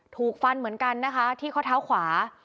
ถูกฟันเหมือนกันนะคะที่ข้อเท้าขวา